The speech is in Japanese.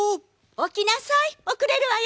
起きなさい、遅れるわよ！